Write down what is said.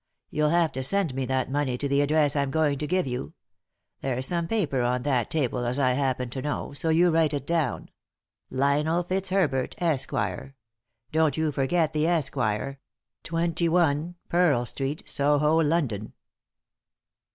You'll have to send me that money to the address I'm going to give you ; there's some paper on that table, as I happen to know, so you write it down — Lionel Fitzherbert, Esquire — don't you forget the 'Esquire' — si, Pearl Street, Soho, London.